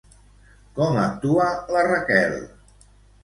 Com actua la Raquel?